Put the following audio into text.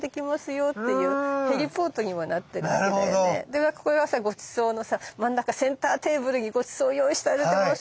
でここはさごちそうのさ真ん中センターテーブルにごちそう用意してあげてます！